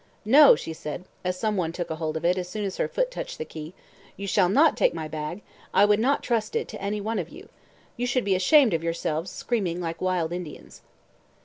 "No," she said, as some one took hold of it as soon as her foot touched the quay. "You shall not take my bag I would not trust it to any one of you. You should be ashamed of yourselves, screaming like wild Indians."